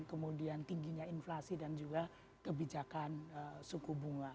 kemudian tingginya inflasi dan juga kebijakan suku bunga